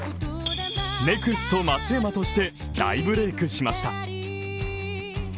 ネクスト松山として、大ブレークしました。